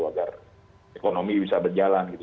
agar ekonomi bisa berjalan gitu